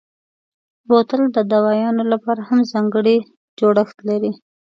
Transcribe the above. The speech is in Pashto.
بوتل د دوایانو لپاره هم ځانګړی جوړښت لري.